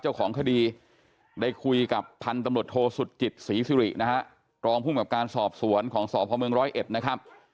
ท่านผู้ชมครับคุณชิลภูริพัฒน์ผู้สื่อข่าวของเราก็เลยถามความคลืมหน้าทางคดีไปยังสอบภอมเมือง๑๐๑นะครับ